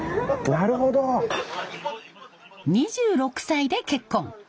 ２６歳で結婚。